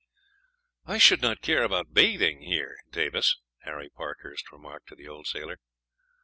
"I should not care about bathing here, Davis," Harry Parkhurst remarked to the old sailor.